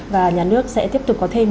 và nhà nước sẽ tiếp tục có thêm